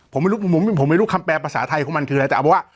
ผมไม่รู้ผมไม่รู้คำแปลภาษาไทยของมันคืออะไรแต่เอาเป็นว่า